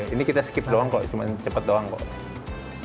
ini kita skip doang kok cuma cepat doang kok